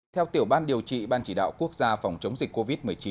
theo tiểu ban điều trị ban chỉ đạo quốc gia phòng chống dịch covid một mươi chín